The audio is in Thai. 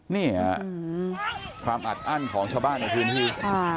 นี่ค่ะความอัดอั้นของชาวบ้านในพื้นที่